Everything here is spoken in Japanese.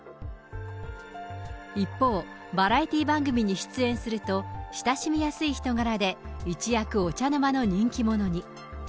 一方、バラエティー番組に出演すると、親しみやすい人柄で、一躍お茶の間の人気者に。